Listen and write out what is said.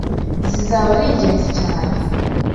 zizaba ari ingenzi cyane